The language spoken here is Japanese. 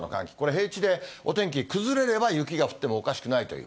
平地でお天気崩れれば雪が降ってもおかしくないという。